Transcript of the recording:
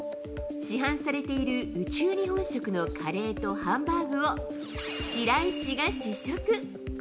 市販されている宇宙日本食のカレーとハンバーグを、白石が試食。